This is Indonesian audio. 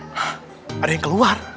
hah ada yang keluar